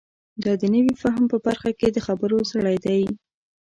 دا د نوي فهم په برخه کې د خبرو زړی دی.